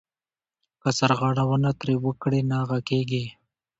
که سرغړونه ترې وکړې ناغه کېږې .